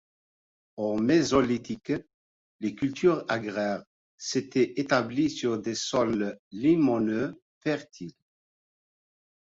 Au mésolithique, les cultures agraires s'étaient établies sur des sols limoneux fertiles.